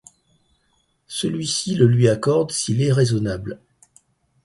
Celui-ci le lui accorde s'il est raisonable.